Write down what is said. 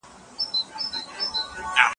د بریا لاره تل له سختیو تېرېږي.